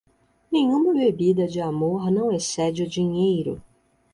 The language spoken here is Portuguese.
Nenhuma bebida de amor não excede o dinheiro.